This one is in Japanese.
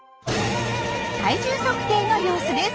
体重測定の様子です。